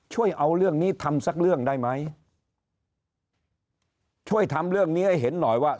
ช่วยเอาเรื่องนี้ทำสักเรื่องได้ไหมช่วยทำเรื่องนี้ให้เห็นหน่อยว่า